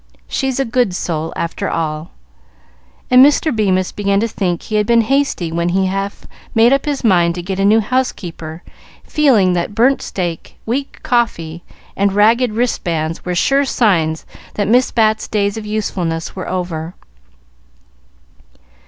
She's a good soul, after all;" and Mr. Bemis began to think he had been hasty when he half made up his mind to get a new housekeeper, feeling that burnt steak, weak coffee, and ragged wristbands were sure signs that Miss Bat's days of usefulness were over.